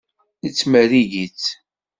Nettmerrig-itt.